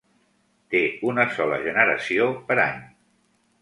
Té una sola generació per any.